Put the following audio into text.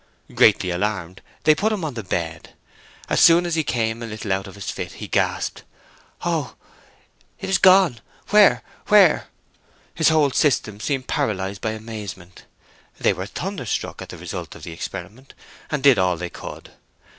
Greatly alarmed, they put him on the bed. As soon as he came a little out of his fit, he gasped, "Oh, it is gone!—where?—where?" His whole system seemed paralyzed by amazement. They were thunder struck at the result of the experiment, and did all they could.